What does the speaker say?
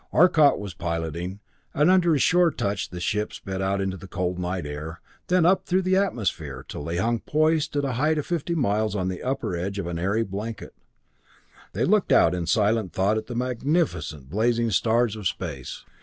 Arcot was piloting, and under his sure touch the ship sped out into the cold night air, then up through the atmosphere, till they hung poised at a height of fifty miles on the upper edge of the airy blanket. They looked out in silent thought at the magnificent blazing stars of space.